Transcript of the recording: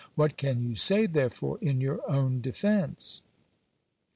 What can you say, there fore, in your own defence